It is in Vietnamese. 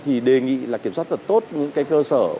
thì đề nghị là kiểm soát thật tốt những cái cơ sở